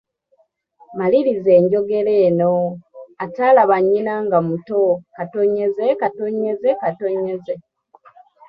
Maliriza enjogera eno, ataalaba nnyina nga muto …